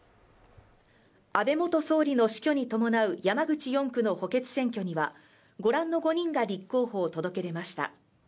安倍元総理の死去に伴う山口４区の補欠選挙にはご覧の５人が立候補を届け出ました。